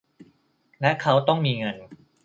และ เขาต้องมีเงิน